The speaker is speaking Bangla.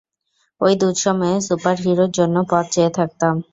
ঐ দুঃসময়ে সুপারহিরোর জন্য পথ চেয়ে থাকতাম।